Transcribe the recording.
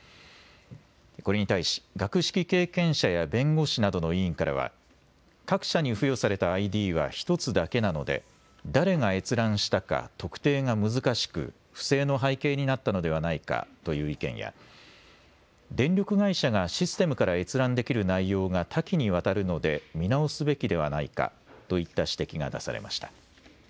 これに対し学識経験者や弁護士などの委員からは各社に付与されたＩＤは１つだけなので誰が閲覧したか特定が難しく不正の背景になったのではないかという意見や電力会社がシステムから閲覧できる内容が多岐にわたるので見直すべきではないかといった指摘が出されました。